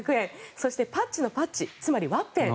そして、パッチのパッチつまり、ワッペン。